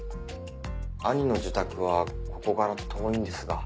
兄の自宅はここから遠いんですが。